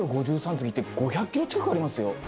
次って５００キロ近くありますよ。